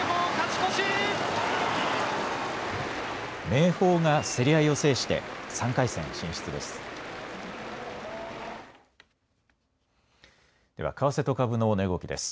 明豊が競り合いを制して３回戦進出です。